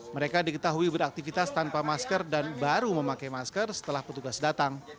mereka diketahui beraktivitas tanpa masker dan baru memakai masker setelah petugas datang